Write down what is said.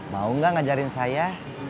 mau gak ngajarin saya